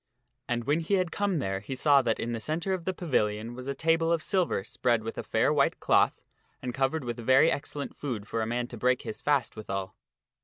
And when he had come there he saw ion of the Lady that in the centre of the pavilion was a table of silver spread Gomyne. ^.^^ fair wn ' te clotn anc j cov ered with very excellent food for a man to break his fast withal.